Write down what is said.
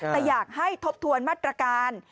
แต่อยากให้ทบทวนมาตรการ